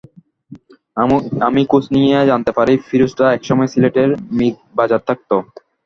আমি খোঁজ নিয়ে জানতে পারি ফিরোজরা একসময় সিলেটের মীরবাজারে থাকত।